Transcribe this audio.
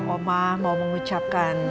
bos akahi jahat